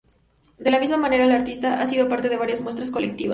De la misma manera el artista ha sido parte de varias muestras colectivas.